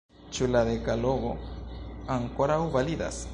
Ĉu la dekalogo ankoraŭ validas?